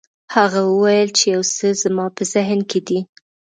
هغه وویل چې یو څه زما په ذهن کې دي.